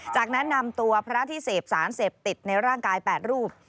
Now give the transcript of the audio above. จากนั้นนำตัวพระที่เสพสารเสพติดในร่างกาย๘รูป